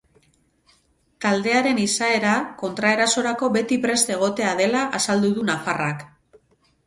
Taldearen izaera kontraerasorako beti prest egotea dela azaldu du nafarrak.